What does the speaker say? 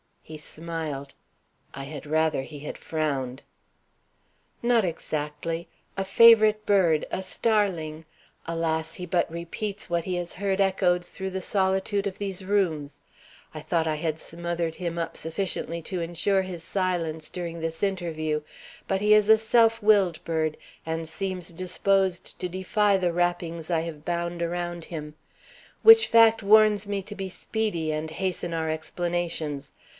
He smiled; I had rather he had frowned. "Not exactly. A favorite bird, a starling. Alas! he but repeats what he has heard echoed through the solitude of these rooms. I thought I had smothered him up sufficiently to insure his silence during this interview. But he is a self willed bird, and seems disposed to defy the wrappings I have bound around him; which fact warns me to be speedy and hasten our explanations.